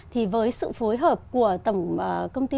thì với sự phối hợp của tổng công ty